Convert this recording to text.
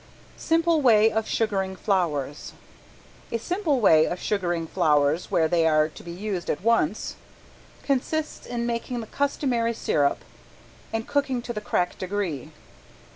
~SIMPLE WAY OF SUGARING FLOWERS~ A simple way of sugaring flowers where they are to be used at once consists in making the customary sirup and cooking to the crack degree.